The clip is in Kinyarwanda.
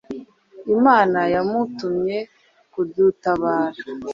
Imana yamutumye kudutabara